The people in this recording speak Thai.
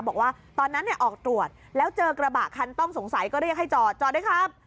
บอกว่าตอนนั้นออกตรวจแล้วเจอกระบะคันต้องสงสัยก็เรียกให้จอดจอดด้วยครับ